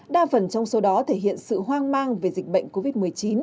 đa phần trong số đó thể hiện sự hoang mang về dịch bệnh covid một mươi chín